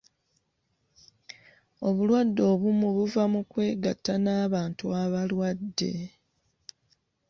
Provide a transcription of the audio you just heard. Obulwadde obumu buva mu kwegatta n'abantu abalwadde.